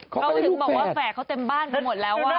เขาถึงบอกว่าแฝกเขาเต็มบ้านไปหมดแล้วว่า